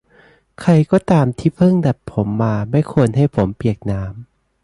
ใครก็ตามที่เพิ่งดัดผมมาไม่ควรให้ผมเปียกน้ำ